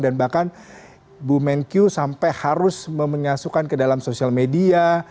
dan bahkan ibu menkyu sampai harus mengasuhkan ke dalam sosial media